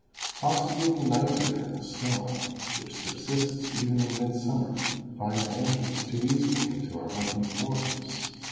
Possibly the nitre in the snow, which subsists even in midsummer, finds entrance too easily into our open pores.